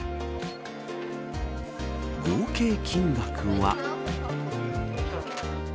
合計金額は。